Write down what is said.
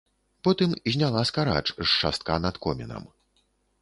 Потым зняла скарач з шастка над комінам.